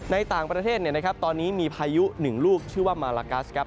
ในต่างประเทศตอนนี้มีพายุหนึ่งลูกชื่อว่ามาลากัสครับ